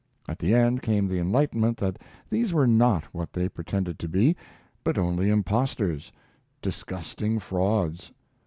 At the end came the enlightenment that these were not what they pretended to be, but only impostors disgusting frauds.